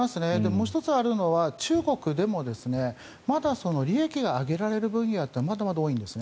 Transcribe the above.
もう１つあるのは中国でもまだ利益が上げられる分野ってまだまだ多いんです。